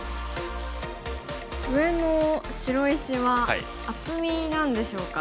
上の白石は厚みなんでしょうか？